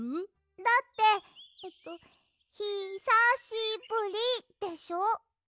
だってえっとひさしぶりでしょ？